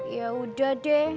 ya udah deh